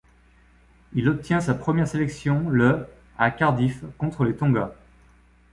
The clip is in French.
Il obtient sa première sélection le à Cardiff contre les Tonga.